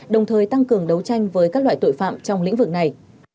đồng thời tăng cường đấu tranh với các loại tội phạm trong lĩnh vực này